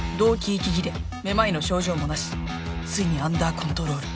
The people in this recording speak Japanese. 息切れめまいの症状もなしついにアンダーコントロール